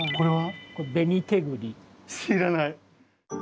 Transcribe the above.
知らない。